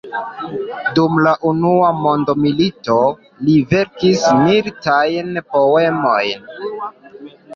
Dum la unua mondmilito li verkis militajn poemojn.